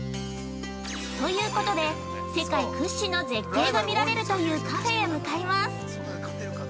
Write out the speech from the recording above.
◆ということで、世界屈指の絶景が見られるというカフェへ向かいます。